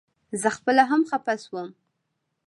زه خپله هم خپه شوم.